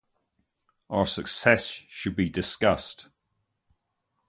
Our success should be discussed.